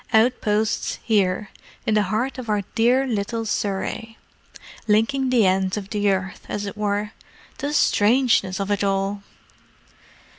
Outposts here, in the heart of our dear little Surrey! Linking the ends of the earth, as it were. The strangeness of it all!"